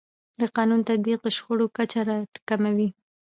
د قانون تطبیق د شخړو کچه راکموي.